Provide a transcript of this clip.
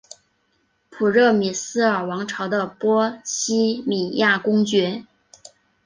普热米斯尔王朝的波希米亚公爵。